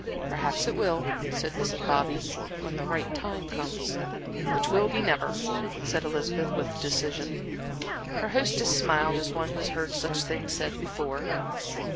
"Perhaps it will," said Mrs. Bobby, "when the right time comes." "Which will be never," said Elizabeth, with decision. Her hostess smiled as one who has heard such things said before.